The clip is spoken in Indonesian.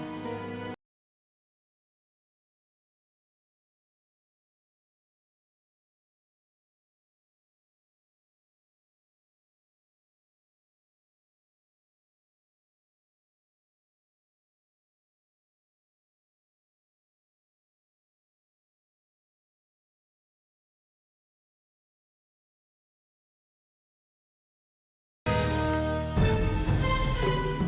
tapi aku gak tega